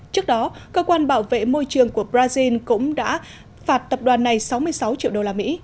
trước đó cơ quan bảo vệ môi trường của brazil cũng đã phạt tập đoàn này sáu mươi sáu triệu usd